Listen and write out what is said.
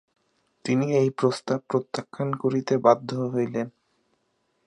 তিনি এই প্রস্তাব প্রত্যাখ্যান করিতে বাধ্য হইলেন।